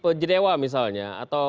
prototipe jenewa misalnya